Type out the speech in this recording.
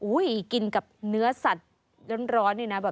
กินกับเนื้อสัตว์ร้อนนี่นะ